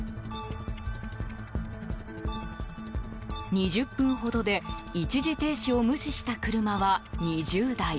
２０分ほどで一時停止を無視した車は２０台。